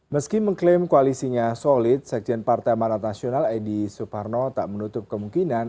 meski mengklaim koalisinya solid sekjen partai manat nasional edi suparno tak menutup kemungkinan